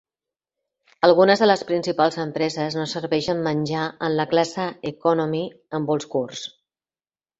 Algunes de les principals empreses no serveixen menjar en la classe "Economy" en vols curts.